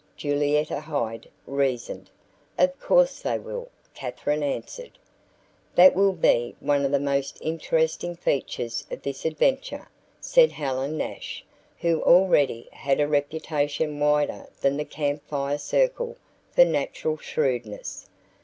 Julietta Hyde reasoned. "Of course they will," Katherine answered. "That will be one of the most interesting features of this adventure," said Helen Nash, who already had a reputation wider than the Camp Fire circle for natural shrewdness.